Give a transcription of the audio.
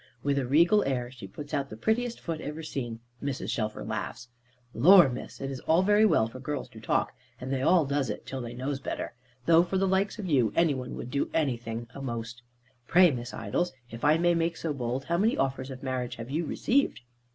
With a regal air, she puts out the prettiest foot ever seen. Mrs. Shelfer laughs. "Lor, Miss, it's all very well for girls to talk; and they all does it, till they knows better. Though for the likes of you, any one would do anything a most. Pray, Miss Idols, if I may make so bold, how many offers of marriage have you received?"